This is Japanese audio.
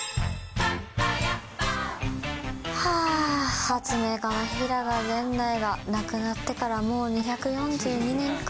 はあ、発明家の平賀源内が亡くなってから、もう２４２年か。